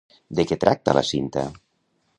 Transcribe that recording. De què tracta la cinta?